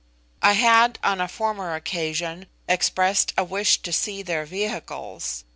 I had, on a former occasion, expressed a wish to see their vehicles.